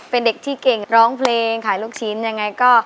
เป็นเด็กที่เก่งร้องเพลงขายลูกชิ้นยังไงก็